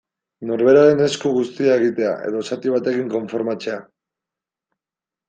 Norberaren esku guztia egitea, edo zati batekin konformatzea.